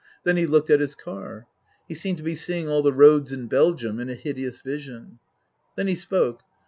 Then he looked at his car. He seemed to be seeing all the roads in Belgium in a hideous vision. Then he spoke.